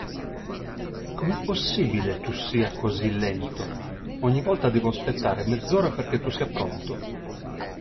Com'è possibile tu sia così lento? Ogni volta devo aspettare mezz'ora perché tu sia pronto!